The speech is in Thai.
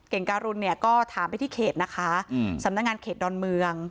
การุณเนี่ยก็ถามไปที่เขตนะคะสำนักงานเขตดอนเมือง